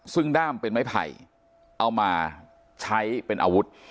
ซึ่งด้ามเป็นไม้ไผ่เอามาใช้เป็นอาวุธ